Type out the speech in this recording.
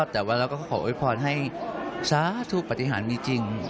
แต่ว่าเราก็ขอโวยพรให้สาธุปฏิหารมีจริง